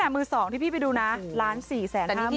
ขณะมือสองที่พี่ไปดูนะ๑๔๕๐๐๐๐บาท